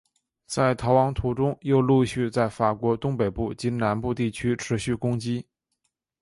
在逃亡途中又陆续在法国东北部及南部地区持续攻击。